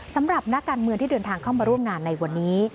สำหรับนักการเมืองที่เดินทางเข้ามาร่วมงานในวันนี้